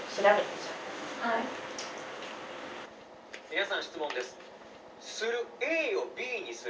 「皆さん質問です。